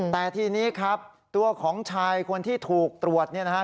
แต่ทีนี้ครับตัวของชายคนที่ถูกตรวจเนี่ยนะฮะ